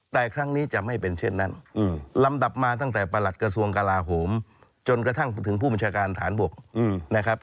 แต่ครั้งนี้จะไม่เป็นเช่นนั้นลำดับมาตั้งแต่ประหลัดกระทรวงกลาโหมจนกระทั่งถึงผู้บัญชาการฐานบกนะครับ